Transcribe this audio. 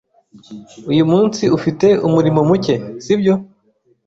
Uyu munsi ufite umuriro muke, sibyo?